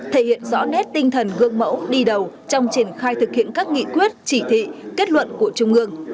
thể hiện rõ nét tinh thần gương mẫu đi đầu trong triển khai thực hiện các nghị quyết chỉ thị kết luận của trung ương